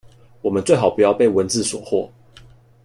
我們最好不要被文字所惑